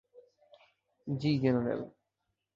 জ্বি, জেনারেল!